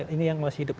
ini yang masih hidup